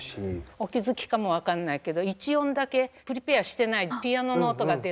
お気付きかも分かんないけど１音だけプリペアしてないピアノの音が出るんですよ。